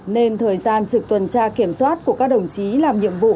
nên thời gian trực tuần tra kiểm soát của các đồng chí làm nhiệm vụ